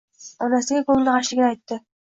Onasiga ko‘ngli g‘ashligini aytdi